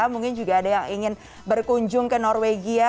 mungkin juga ada yang ingin berkunjung ke norwegia